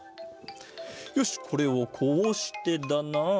よしこれをこうしてだな。